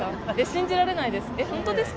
信じられないです。